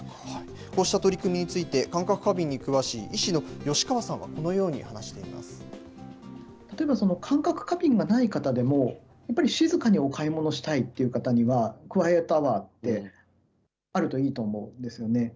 こうした取り組みについて、感覚過敏に詳しい医師の吉川さんはこ例えば感覚過敏がない方でも、やっぱり静かにお買い物したいっていう方には、クワイエットアワーって、あるといいと思うんですよね。